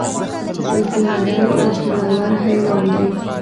زمری زړور حيوان دی.